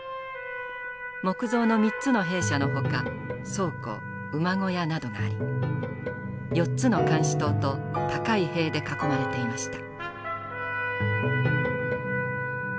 木造の３つの兵舎のほか倉庫馬小屋などがあり４つの監視塔と高い塀で囲まれていました。